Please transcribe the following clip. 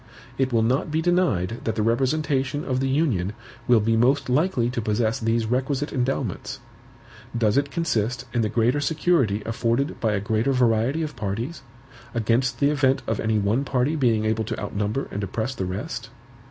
It will not be denied that the representation of the Union will be most likely to possess these requisite endowments. Does it consist in the greater security afforded by a greater variety of parties, against the event of any one party being able to outnumber and oppress the rest?